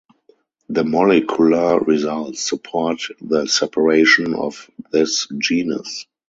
The molecular results support the separation of this genus.